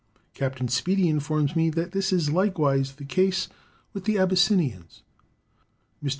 Captain Speedy informs me that this is likewise the case with the Abyssinians. Mr.